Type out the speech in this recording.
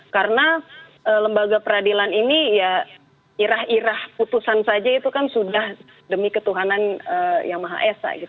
karena lembaga peradilan ini irah irah putusan saja itu kan sudah demi ketuhanan yang maha esa